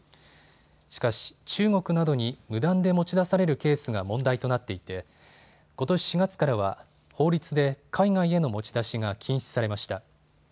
しかし、中国などに無断で持ち出されるケースが問題となっていてことし４月からは法律で海外への持ち出しが禁止されました。